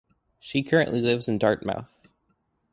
She currently lives in Dartmouth.